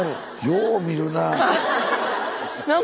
よう見るなあ。